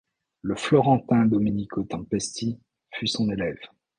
Le florentin Domenico Tempesti fut son élève.